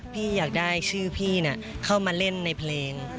พี่อยากได้ชื่อพี่เข้ามาเล่นในเพลง